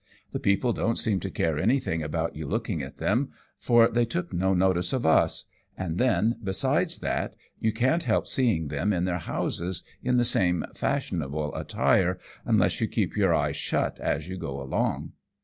The people don't seem to care anything about you looking at them, for they took no notice of us ; and then, besides that, you can't help seeing them in their ANOTHER VISIT TO CAREERO'S. 183 houses in the same fashionable attire unless you keep your eyes shut as you go along."